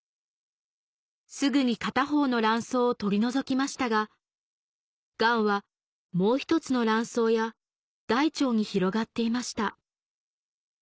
すぐに片方の卵巣を取り除きましたがガンはもう１つの卵巣や大腸に広がっていました